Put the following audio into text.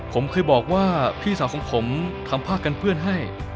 ผมเคยบอกว่าพี่สาวของผมทำผ้ากันเปื้อนให้